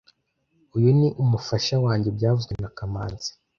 Uyu ni umufasha wanjye byavuzwe na kamanzi